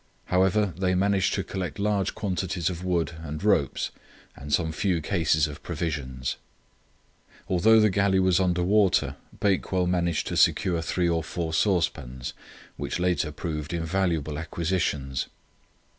However, they managed to collect large quantities of wood and ropes and some few cases of provisions. Although the galley was under water, Bakewell managed to secure three or four saucepans, which later proved invaluable acquisitions.